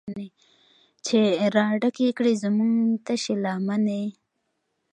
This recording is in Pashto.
چې راډکې کړي زمونږ تشې لمنې